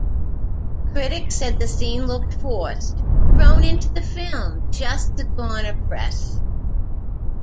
Critics said the scene looked forced, thrown into the film just to garner press.